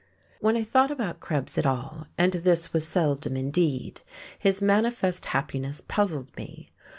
When I thought about Krebs at all, and this was seldom indeed, his manifest happiness puzzled me.